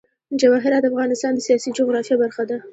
جواهرات د افغانستان د سیاسي جغرافیه برخه ده.